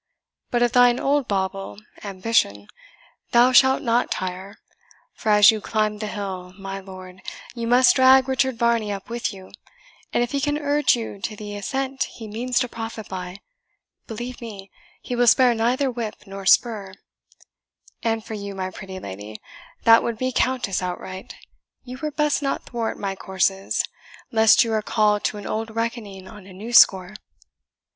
But of thine old bauble, ambition, thou shalt not tire; for as you climb the hill, my lord, you must drag Richard Varney up with you, and if he can urge you to the ascent he means to profit by, believe me he will spare neither whip nor spur, and for you, my pretty lady, that would be Countess outright, you were best not thwart my courses, lest you are called to an old reckoning on a new score.